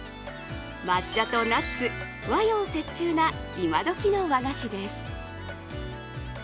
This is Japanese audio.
抹茶とナッツ、和洋折衷な今どきの和菓子です。